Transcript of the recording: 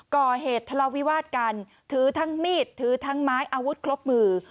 ก่อเหตุทะเลาวิวาสกันถือทั้งมีดถือทั้งไม้อาวุธครบมือ